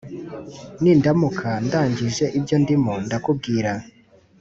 ni ndamuka ndangije ibyo ndimo ndakubwira